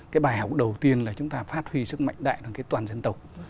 cái bài học đầu tiên là chúng ta phát huy sức mạnh đại đoàn kết toàn dân tộc